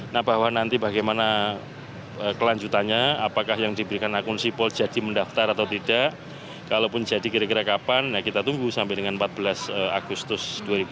nah bahwa nanti bagaimana kelanjutannya apakah yang diberikan akun sipol jadi mendaftar atau tidak kalaupun jadi kira kira kapan ya kita tunggu sampai dengan empat belas agustus dua ribu dua puluh